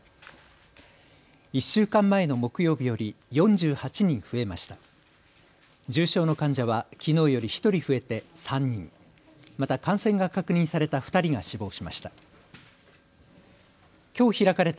１週間前の木曜日より４８人増えました。